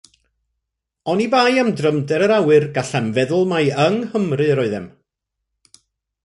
Oni bai am drymder yr awyr, gallem feddwl mai yng Nghymru yr oeddem.